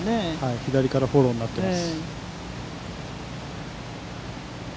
左からフォローになっています。